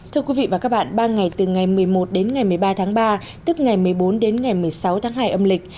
thưa quý vị và các bạn ba ngày từ ngày một mươi một đến ngày một mươi ba tháng ba tức ngày một mươi bốn đến ngày một mươi sáu tháng hai âm lịch